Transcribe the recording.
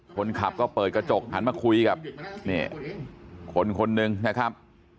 คนขับก็เปิดกระจกหันมาคุยกับคนคนหนึ่งนะครับ